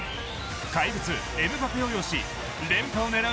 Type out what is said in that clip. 怪物・エムバペを擁し連覇を狙う